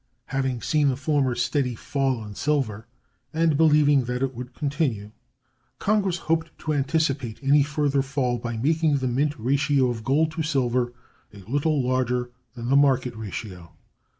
Having seen the former steady fall in silver, and believing that it would continue, Congress hoped to anticipate any further fall by making the mint ratio of gold to silver a little larger than the market ratio.